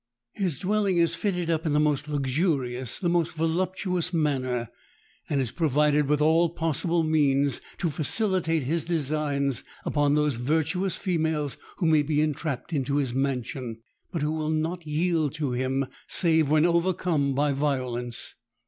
His dwelling is fitted up in the most luxurious—the most voluptuous manner, and is provided with all possible means to facilitate his designs upon those virtuous females who may be entrapped into his mansion, but who will not yield to him save when overcome by violence.